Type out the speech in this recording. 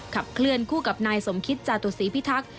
ขับเคลื่อนคู่กับนายสมคิตจาตุศีพิทักษ์